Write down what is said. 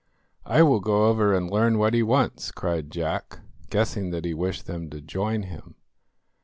"I will go over and learn what he wants," cried Jack, guessing that he wished them to join him.